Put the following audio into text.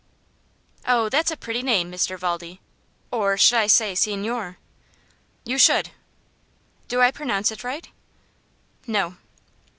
"Oh, that's a pretty name, Mr. Valdi or should I say Signor?" "You should." "Do I pronounce it right?" "No."